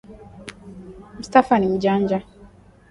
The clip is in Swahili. mustafa ni mjanja